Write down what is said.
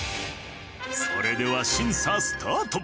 それでは審査スタート！